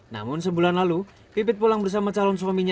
namun sebulan lalu pipit pulang bersama calon suaminya